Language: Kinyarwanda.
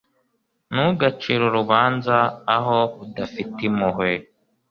ntugacire urubanza aho udafite impuhwe